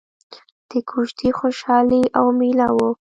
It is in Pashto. د کوژدې خوشحالي او ميله وه.